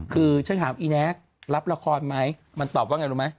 คือฉันถามอีแน็กรับละครไหมมันตอบว่าไงรู้ไหม